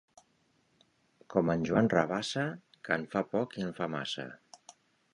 Com en Joan Rabassa, que en fa poc i en fa massa.